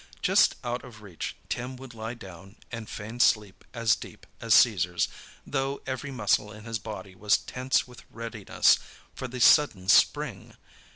Just out of reach, Tim would lie down and feign sleep as deep as Caesar's, though every muscle in his body was tense with readiness for the sudden spring.